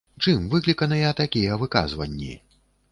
Чым выкліканыя такія выказванні?